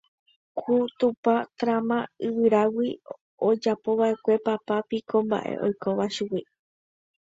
ku tupa tráma yvíragui ojapova'ekue papá piko mba'e oikóva chugui.